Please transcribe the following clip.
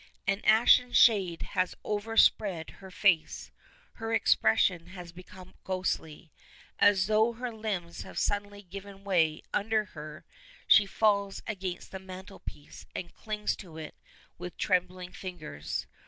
An ashen shade has overspread her face; her expression has become ghostly. As though her limbs have suddenly given way under her, she falls against the mantel piece and clings to it with trembling fingers.